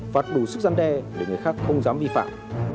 phạt đủ sức gian đe để người khác không dám vi phạm